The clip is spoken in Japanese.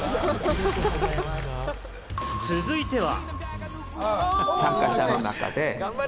続いては。